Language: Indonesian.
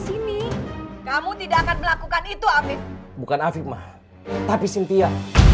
sini kamu tidak akan melakukan itu aduh bukan tapi cynthia